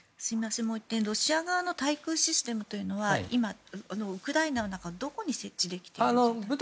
もう１点、ロシア側の対空システムというのは今、ウクライナの中のどこに設置できているんでしょうか。